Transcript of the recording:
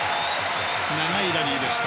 長いラリーでした。